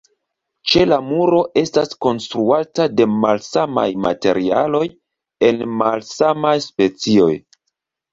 Ĉela muro estas konstruata de malsamaj materialoj en malsamaj specioj.